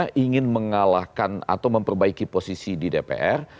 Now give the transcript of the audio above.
karena ingin mengalahkan atau memperbaiki posisi di dpr